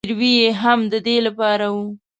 زګیروي یې هم د دې له پاره و.